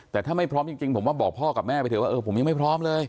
แต่ถ้าไม่พร้อมจริงผมว่าบอกพ่อกับแม่ไปเถอะว่าเออผมยังไม่พร้อมเลย